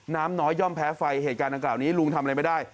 น้ำน้อยย่อมแพ้ไฟเหตุการณ์ดังกล่าวนี้ลุงทำอะไรไม่ได้